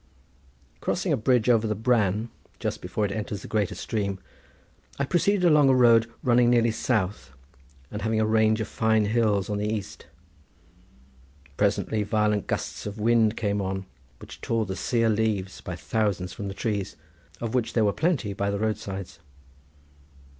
Crossing a bridge over the Bran just before it enters the greater stream, I proceeded along a road running nearly south and having a range of fine hills on the east. Presently violent gusts of wind came on, which tore the sear leaves by thousands from the trees of which there were plenty by the roadsides.